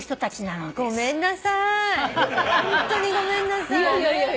ホントにごめんなさい。